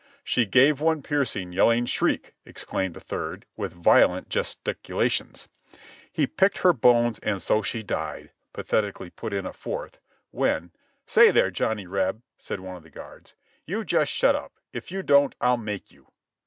"She gave one piercing, yelling shriek," exclaimed a third, with violent gesticulations. "He picked her bones and so she died," pathetically put in a fourth — when "Say there, Johnny Reb," said one of the guards, "you just shut up; if you don't, I'll make you!"